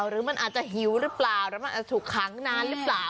หรือมันอาจจะหิวหรือเปล่าหรือมันอาจจะถูกขังนานหรือเปล่า